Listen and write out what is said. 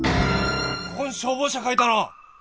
ここに消防車描いたの！